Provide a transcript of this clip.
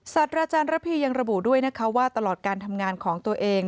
สัตว์อาจารย์ระพียังระบุด้วยนะคะว่าตลอดการทำงานของตัวเอง